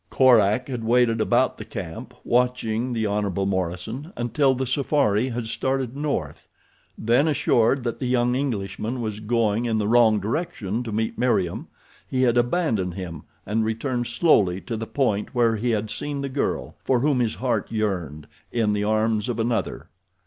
Korak had waited about the camp, watching the Hon. Morison until the safari had started north. Then, assured that the young Englishman was going in the wrong direction to meet Meriem he had abandoned him and returned slowly to the point where he had seen the girl, for whom his heart yearned, in the arms of another.